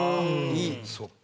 そっか。